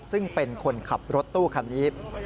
ซึ่งเป็นคนขับรถตู้คันนี้